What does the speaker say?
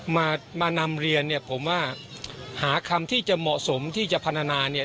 มามานำเรียนเนี่ยผมว่าหาคำที่จะเหมาะสมที่จะพัฒนาเนี่ย